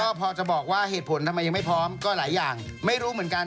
ก็พอจะบอกว่าเหตุผลทำไมยังไม่พร้อมก็หลายอย่างไม่รู้เหมือนกัน